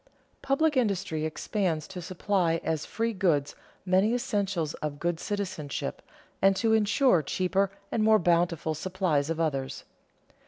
_Public industry expands to supply as free goods many essentials of good citizenship, and to insure cheaper and more bountiful supplies of others.